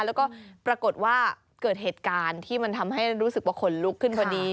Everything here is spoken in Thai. แล้วก็ปรากฏว่าเกิดเหตุการณ์ที่มันทำให้รู้สึกว่าขนลุกขึ้นพอดี